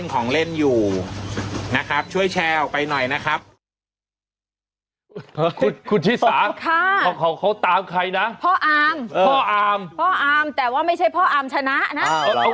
คุณธิสาของเขาตามใครนะพ่ออาร์มแต่ว่าไม่ใช่พ่ออาร์มชนะนะ